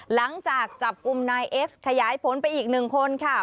หลังจากจับกลุ่มนายเอสขยายผลไปอีกหนึ่งคนค่ะ